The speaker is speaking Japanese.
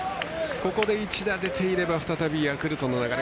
ここで１打出ていれば再びヤクルトの流れ。